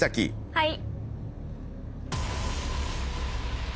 はい。